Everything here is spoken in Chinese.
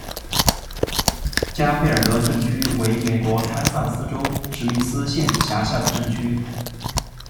加菲尔德镇区为美国堪萨斯州史密斯县辖下的镇区。